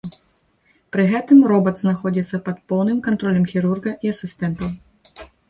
Пры гэтым робат знаходзіцца пад поўным кантролем хірурга і асістэнтаў.